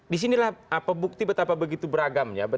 di sinilah pebukti betapa begitu beragamnya